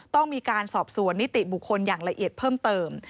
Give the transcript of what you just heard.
ต้องมีการสอบสวนนิติบุคคลอย่างละเอียดเพิ่มเติม